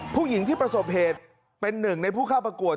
ผู้หญิงที่ประสบเหตุเป็นหนึ่งในผู้เข้าประกวด